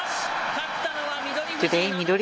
勝ったのは翠富士。